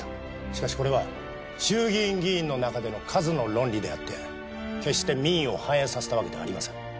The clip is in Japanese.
しかしこれは衆議院議員の中での数の論理であって決して民意を反映させたわけではありません。